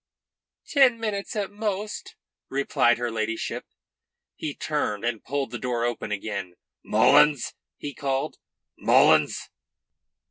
"Ten minutes at most," replied her ladyship. He turned and pulled the door open again. "Mullins?" he called. "Mullins!"